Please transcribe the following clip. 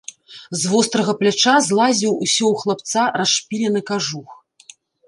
З вострага пляча злазіў усё ў хлапца расшпілены кажух.